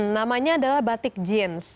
namanya adalah batik jeans